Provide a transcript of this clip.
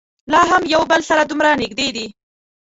لا هم یو بل سره دومره نږدې دي.